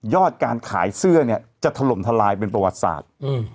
การขายเสื้อเนี่ยจะถล่มทลายเป็นประวัติศาสตร์